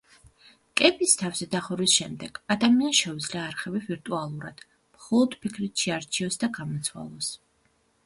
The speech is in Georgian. კეპის თავზე დახურვის შემდეგ, ადამიანს შეუძლია არხები ვირტუალურად, მხოლოდ ფიქრით შეარჩიოს და გამოცვალოს.